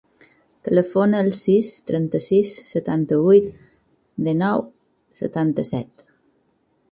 Telefona al sis, trenta-sis, setanta-vuit, dinou, setanta-set.